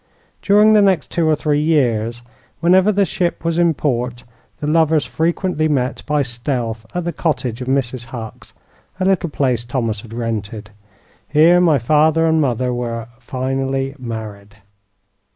During the next two or three years, whenever the ship was in port, the lovers frequently met by stealth at the cottage of Mrs. Hucks, a little place Thomas had rented. Here my father and mother were finally married.